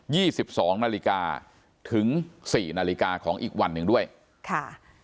ี่สิบสองนาฬิกาถึงสี่นาฬิกาของอีกวันหนึ่งด้วยค่ะ